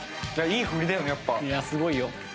いやすごいよ。